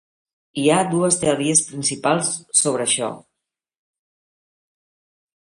Hi ha dos teories principals sobre això.